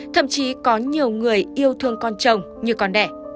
thậm chí có nhiều người yêu thương con chồng như con đẻ